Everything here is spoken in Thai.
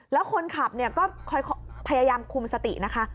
แล้วคนขับก็คอยพยายามคุมสตินะคะ